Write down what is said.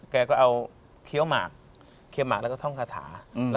แกก็เอาเคี้ยวหมากเคี้ยวหมากแล้วก็ท่องคาถา